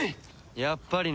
やっぱりな。